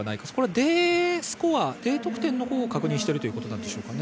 Ｄスコアを確認しているということでしょうかね。